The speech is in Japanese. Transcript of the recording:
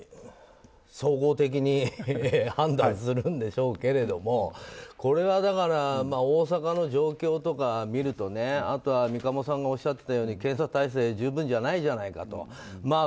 総合的に判断するんでしょうけれどもこれは、大阪の状況とかを見るとあとは三鴨さんがおっしゃっていたように検査体制十分じゃないじゃないかと。